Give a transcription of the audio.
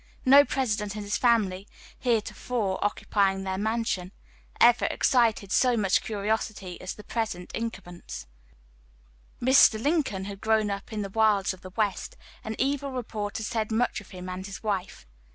No President and his family, heretofore occupying this mansion, ever excited so much curiosity as the present incumbents. Mr. Lincoln had grown up in the wilds of the West, and evil report had said much of him and his wife.